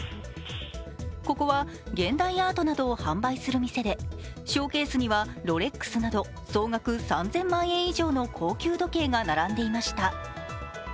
ここは現代アートなどを販売する店で、ショーケースにはロレックスなど総額３０００万円以上の高級時計が並んでいました。